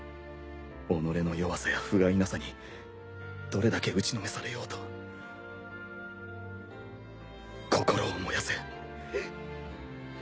己の弱さやふがいなさにどれだけ打ちのめされようと心を燃やせ。